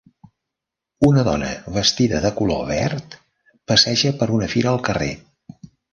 Una dona vestida de color verd passeja per una fira al carrer.